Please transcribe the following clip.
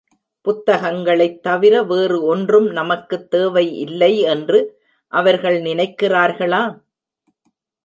புத்தகங்களைத் தவிர வேறு ஒன்றும் நமக்குத் தேவை இல்லை என்று அவர்கள் நினைக்கிறார்களா?